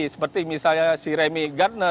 seperti misalnya si renzo